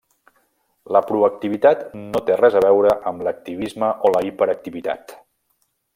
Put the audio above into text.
La proactivitat no té res a veure amb l'activisme o la hiperactivitat.